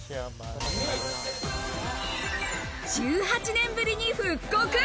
１８年ぶりに復刻。